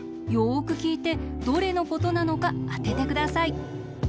よくきいてどれのことなのかあててください。